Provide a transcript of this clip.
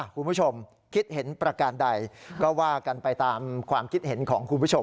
คุณผู้ชมคิดเห็นประการใดก็ว่ากันไปตามความคิดเห็นของคุณผู้ชม